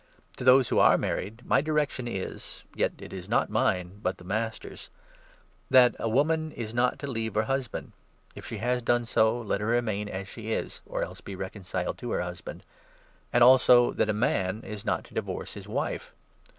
To those who are married my direction is — ic yet it is not mine, but the Master's — that a woman is not to leave her husband (if she has done so, let her remain as she is, 1 1 or else be reconciled to her husband) and also that a man is not Marriages to divorce his wife.